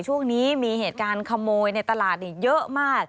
ช่วงนี้มีเหตุการณ์ขโมยในตลาดเยอะมาก